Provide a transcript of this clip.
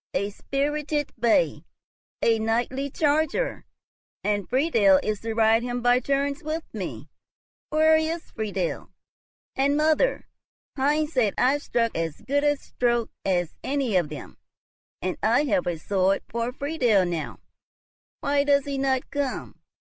a spirited bay, a knightly charger, and Friedel is to ride him by turns with me. Where is Friedel? And, mother, Heinz said I struck as good a stroke as any of them, and I have a sword for Friedel now. Why does he not come?